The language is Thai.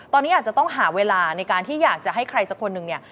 ตอนนี้อาจจะต้องหาเวลาในการที่อยากจะให้ใครสักคนหนึ่งเนี่ย